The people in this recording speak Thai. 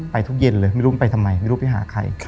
ทุกเย็นเลยไม่รู้ไปทำไมไม่รู้ไปหาใคร